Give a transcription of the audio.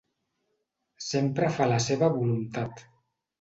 Sempre fa la seva voluntat.